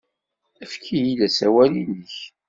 Efk-iyi-d asawal-nnek.